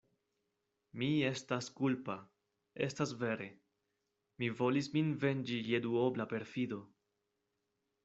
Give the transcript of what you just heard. Mi estas kulpa; estas vere: mi volis min venĝi je duobla perfido.